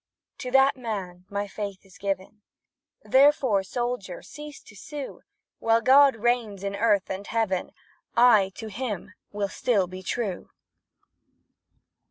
To that man my faith is given, Therefore, soldier, cease to sue; While God reigns in earth and heaven, I to him will still be true!